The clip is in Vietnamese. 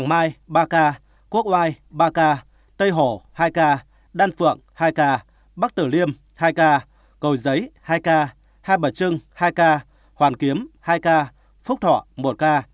mai ba ca quốc oai ba ca tây hồ hai ca đan phượng hai ca bắc tử liêm hai ca cầu giấy hai ca hai bà trưng hai ca hoàn kiếm hai ca phúc thọ một ca